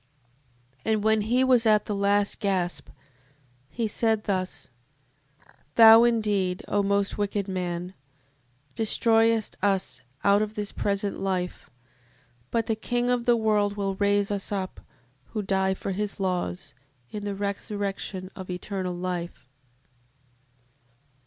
And when he was at the last gasp, he said thus: Thou indeed, O most wicked man, destroyest us out of this present life: but the King of the world will raise us up, who die for his laws, in the resurrection of eternal life.